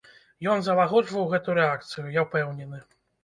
Ён залагоджваў гэтую рэакцыю, я ўпэўнены.